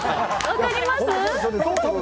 分かります？